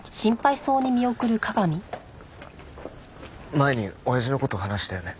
前に親父の事話したよね？